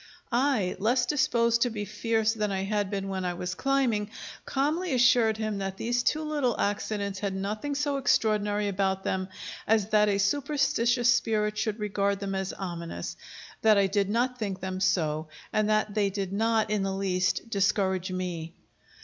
I, less disposed to be fierce than I had been when I was climbing, calmly assured him that these two little accidents had nothing so extraordinary about them as that a superstitious spirit should regard them as ominous; that I did not think them so, and that they did not in the least discourage me.